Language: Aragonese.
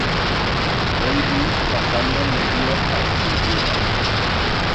Voi dir pasando medio a escudietas.